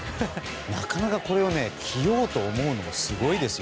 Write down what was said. なかなかこれを着ようと思うのもすごいですよ。